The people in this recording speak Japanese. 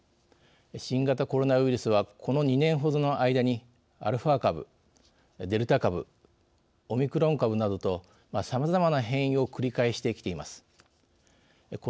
新型コロナウイルスはこの２年ほどの間にアルファ株デルタ株オミクロン株などとさまざまな変異を繰り返してきています。